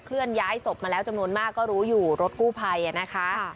เลื่อนย้ายศพมาแล้วจำนวนมากก็รู้อยู่รถกู้ภัยนะคะ